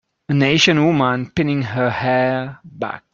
An Asian woman pinning her hair back.